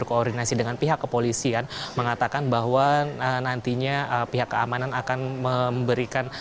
koordinasi dengan pihak kepolisian mengatakan bahwa nantinya pihak keamanan akan memberikan